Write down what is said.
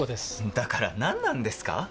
だから何なんですか